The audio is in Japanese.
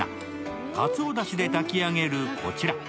かつおだしで炊き上げるこちら。